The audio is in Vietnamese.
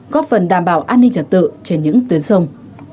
góp phần đảm bảo an ninh trật tự trên những tuyến sông